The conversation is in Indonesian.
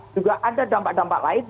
juga ada dampak dampak lain